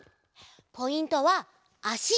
ポイントはあし。